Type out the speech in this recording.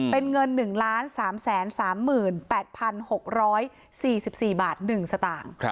เป็นเงิน๑๓๓๘๖๔๔บาท๑สตางค์